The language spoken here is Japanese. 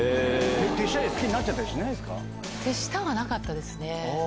手下で好きになっちゃったり手下はなかったですね。